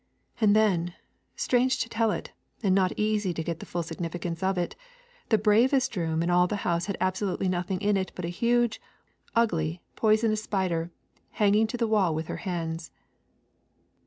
And then, strange to tell it, and not easy to get to the full significance of it, the bravest room in all the house had absolutely nothing in it but a huge, ugly, poisonous spider hanging to the wall with her hands.